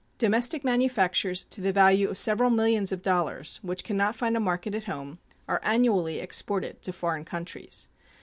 Domestic manufactures to the value of several millions of dollars, which can not find a market at home, are annually exported to foreign countries.